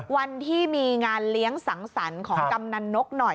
วันที่มีงานเลี้ยงสังสรรค์ของกำนันนกหน่อย